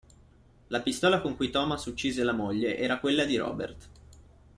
La pistola con cui Thomas uccise la moglie era quella di Robert.